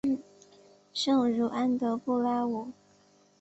圣茹安德布拉武。